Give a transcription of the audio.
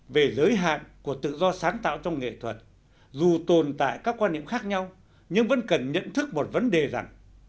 về giới hạn của tự do sáng tạo trong nghệ thuật dù tồn tại các quan niệm khác nhau nhưng vẫn cần nhận thức một vấn đề rằng